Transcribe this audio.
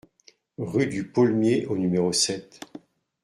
Rue du Paulmier au numéro sept